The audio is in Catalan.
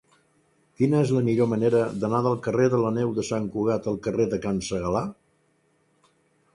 Quina és la millor manera d'anar del carrer de la Neu de Sant Cugat al carrer de Can Segalar?